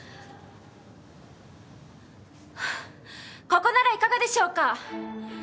ここならいかがでしょうか。